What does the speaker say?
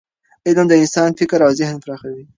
علم د انسان فکر او ذهن پراخوي.